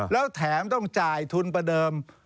แล้วแถมต้องจ่ายทุนประเดิม